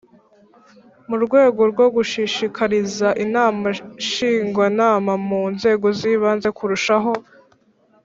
Mu rwego rwo gushishikariza Inama Ngishwanama mu Nzego z Ibanze kurushaho